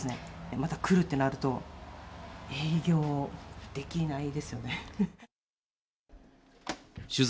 また来るってなると、営業できないですよね。